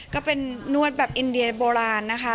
ก็เป็นนวดแบบอินเดียโบราณนะคะ